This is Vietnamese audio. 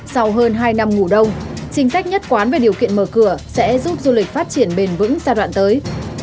sau hơn hai năm ngủ đông chính sách nhất quán về điều kiện mở cửa sẽ giúp du lịch phát triển bền vững giai đoạn tới